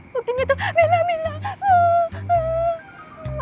buktinya tuh bella bella